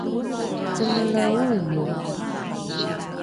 cengele oomoe